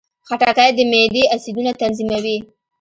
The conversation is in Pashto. خټکی د معدې اسیدونه تنظیموي.